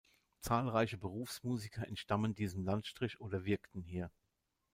Zahlreiche Berufsmusiker entstammen diesem Landstrich oder wirkten hier.